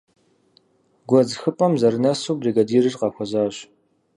Гуэдз хыпӀэм зэрынэсу, бригадирыр къахуэзащ.